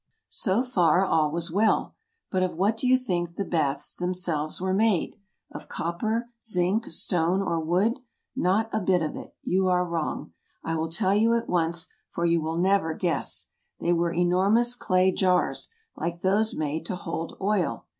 So far all was well ; but of what do you think the baths themselves were made ? of copper, zinc, stone, or wood ? Not a bit of it; you are wrong. I will tell you at once, for you will never guess; they were enormous clay jars, like those made to hold oil.